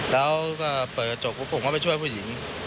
แล้วก็เปิดกระจกปุ๊บผมก็ไปช่วยผู้หญิง